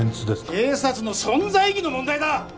警察の存在意義の問題だ！